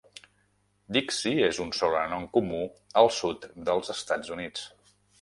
"Dixie" és un sobrenom comú al sud dels Estats Units.